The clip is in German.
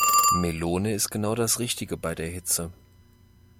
Melone ist genau das Richtige bei der Hitze.